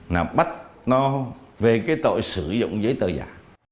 là bắt nó về cái tội sử dụng giấy tờ giả